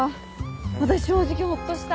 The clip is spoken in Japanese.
私正直ほっとした。